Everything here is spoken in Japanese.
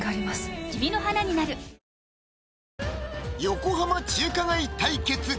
横浜中華街対決！